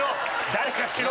誰かしろ！